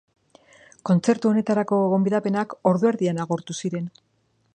Kontzertu honetarako gonbidapenak ordu erdian agortu ziren.